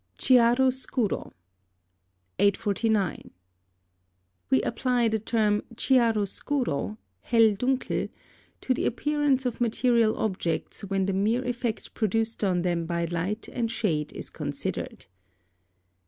CHIARO SCURO. 849. We apply the term chiaro scuro (Helldunkel) to the appearance of material objects when the mere effect produced on them by light and shade is considered.